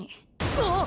あっ！